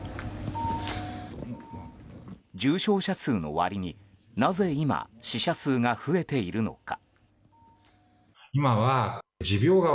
重症者数の割に、なぜ今死者数が増えているのか。